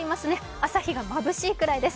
朝日がまぶしいくらいです。